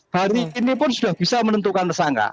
hari ini pun sudah bisa menentukan tersangka